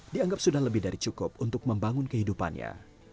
dianggap sudah lebih dari cukup untuk membangun kehidupannya